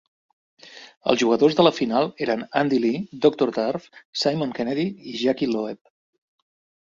Els jugadors de la final eren Andy Lee, Doctor Turf, Simon Kennedy i Jackie Loeb.